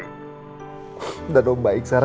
biasa ya regina kamu cantik sekali